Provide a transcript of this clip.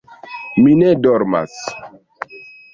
Mi ne dormas.